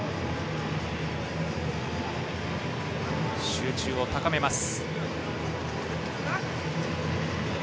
集中を高めます。